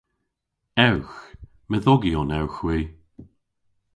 Ewgh. Medhogyon ewgh hwi.